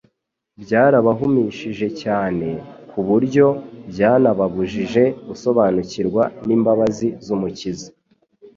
byarabahumishije cyane, ku buryo byababujije gusobanukirwa n'imbabazi z'Umukiza.